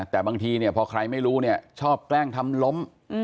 แต่บางทีเนี่ยพอใครไม่รู้เนี่ยชอบแกล้งทำล้ม